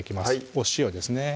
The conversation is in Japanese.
お塩ですね